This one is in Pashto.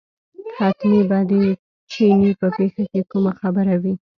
حتمي به د چیني په پېښه کې کومه خبره وي.